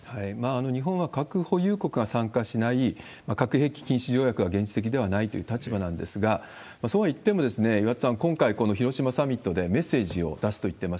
日本は核保有国が参加しない核兵器禁止条約は現実的ではないという立場なんですが、そうはいっても岩田さん、今回、この広島サミットでメッセージを出すといってます。